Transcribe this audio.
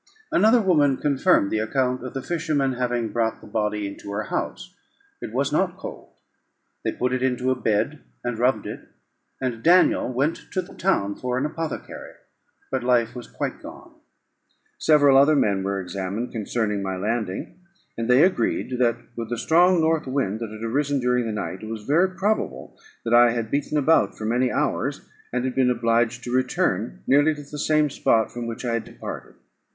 Another woman confirmed the account of the fishermen having brought the body into her house; it was not cold. They put it into a bed, and rubbed it; and Daniel went to the town for an apothecary, but life was quite gone. Several other men were examined concerning my landing; and they agreed, that, with the strong north wind that had arisen during the night, it was very probable that I had beaten about for many hours, and had been obliged to return nearly to the same spot from which I had departed.